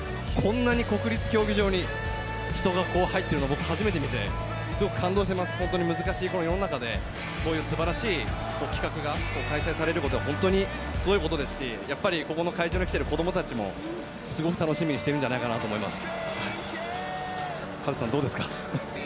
ここは熱気が伝わってくるんですけど、こんなに国立競技場に人が入ってるの僕、初めて見てすごく感動しています、本当に難しい世の中でこういうすばらしい企画が開催されること本当にすごいことですしここの会場に来てる子どもたちも、すごく楽しみにしてるんじゃないかと思います。